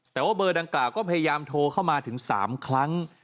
แต่ว่าเบอร์ดังกล่าวก็พยายามโทรเข้ามาถึง๓ครั้ง